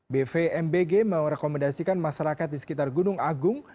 bvmbg merekomendasikan masyarakat di sekitar gunung agung